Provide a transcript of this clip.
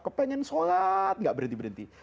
kepengen sholat gak berhenti berhenti